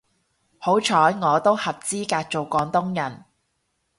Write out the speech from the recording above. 好彩我都合資格做廣東人